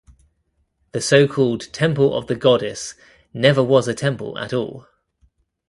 The so-called temple of the goddess never was a temple at all.